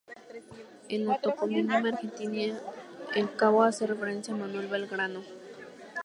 En la toponimia argentina el cabo hace referencia a Manuel Belgrano.